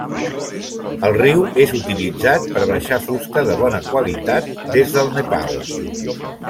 El riu és utilitzat per baixar fusta de bona qualitat des del Nepal.